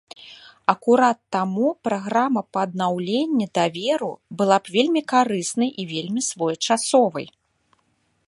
Акурат таму праграма па аднаўленні даверу была б вельмі карыснай і вельмі своечасовай.